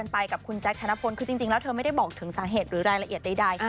ไปกับคุณแจ๊คธนพลคือจริงแล้วเธอไม่ได้บอกถึงสาเหตุหรือรายละเอียดใด